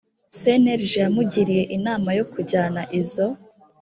cnlg yamugiriye inama yo kujyana izo